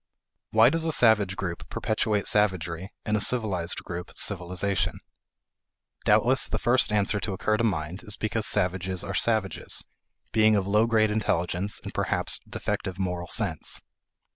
Why does a savage group perpetuate savagery, and a civilized group civilization? Doubtless the first answer to occur to mind is because savages are savages; being of low grade intelligence and perhaps defective moral sense.